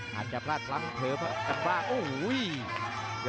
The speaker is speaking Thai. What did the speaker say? หาจับราดล้ำเผิมกันบ้างโอ้โห้ยยย